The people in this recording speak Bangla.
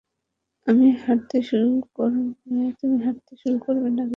তুমি হাটতে শুরু করবে নাকি সিদ্ধান্তের অপেক্ষা করবে, সেটা তোমার ব্যাপার।